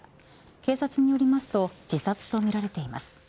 警察によりますと自殺とみられています。